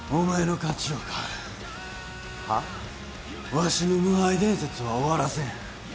わしの無敗伝説は終わらせん。